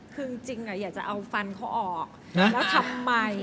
คือจริงอยากจะเอาฟันเขาออกแล้วทำไม